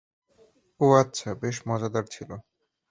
ও আচ্ছা, বেশ মজাদার ছিলো।